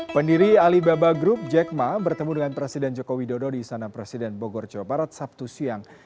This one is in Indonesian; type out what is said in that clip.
pendiri alibaba group jack ma bertemu dengan presiden joko widodo di istana presiden bogor jawa barat sabtu siang